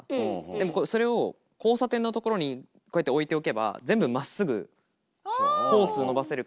でもそれを交差点のところに置いておけば全部まっすぐホース伸ばせるから。